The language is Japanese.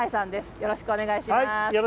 よろしくお願いします。